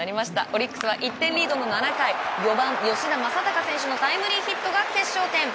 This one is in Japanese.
オリックスは１点リードの７回４番、吉田正尚選手のタイムリーヒットが決勝点！